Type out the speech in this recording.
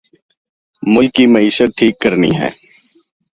ملک کی معیشت ٹھیک کرنی ہے